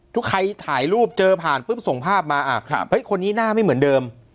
ทุกใครถ่ายรูปเจอผ่านปุ๊บส่งภาพมาเฮ้ยคนนี้หน้าไม่เหมือนเดิม